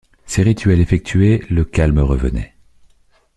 Ces rituels effectués, le calme revenait.